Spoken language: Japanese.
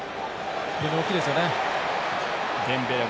非常に大きいですよね。